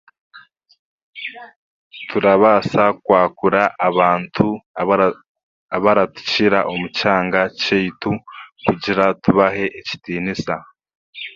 Turabaasa kwakura abantu abara abaratukira omu kyanga kyeitu kugira tubahe ekitiinisa.